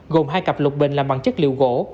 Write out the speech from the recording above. gồm hai cặp lục bình làm bằng chất liệu gỗ